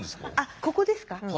あここですか？